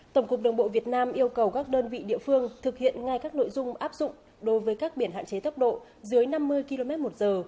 tổng cục đường bộ việt nam yêu cầu các đơn vị địa phương thực hiện ngay các nội dung áp dụng đối với các biển hạn chế tốc độ dưới năm mươi km một giờ